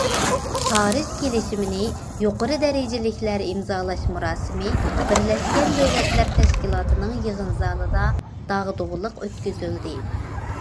پارىژ كېلىشىمىنى يۇقىرى دەرىجىلىكلەر ئىمزالاش مۇراسىمى بىرلەشكەن دۆلەتلەر تەشكىلاتىنىڭ يىغىن زالىدا داغدۇغىلىق ئۆتكۈزۈلدى.